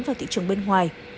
theo thị trường bên ngoài